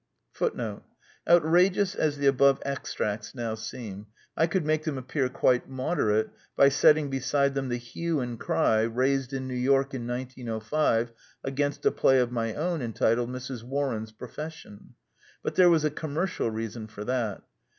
^^ Outrageous as the above extracts now seem, I could make them appear quite moderate by setting beside them the hue and cry raised in New York in 1905 against a play of my own entitled Mrs. Warren's Profession. But there was a commercial reason for that.